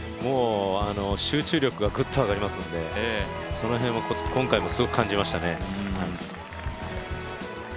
集中力がグッと上がりますので、その辺は今回もすごく感じましたね。